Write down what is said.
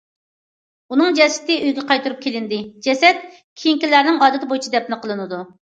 ئۇنىڭ جەسىتى ئۆيىگە قايتۇرۇپ كېلىندى، جەسەت كېنىيەلىكلەرنىڭ ئادىتى بويىچە دەپنە قىلىنىدۇ.